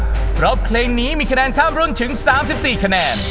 สวัสดีครับรอบเครงนี้มีคะแนนข้ามรุ่นถึง๓๔คะแนน